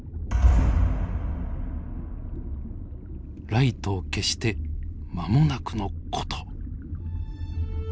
ライトを消して間もなくの事。